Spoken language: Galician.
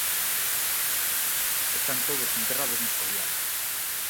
Están todos enterrados no Escorial.